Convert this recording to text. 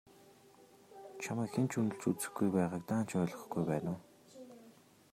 Чамайг хэн ч үнэлж үзэхгүй байгааг даанч ойлгохгүй байна уу?